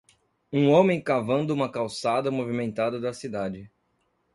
Um homem cavando uma calçada movimentada da cidade.